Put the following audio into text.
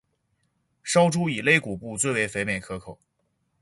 烧猪以肋骨部最为肥美可口。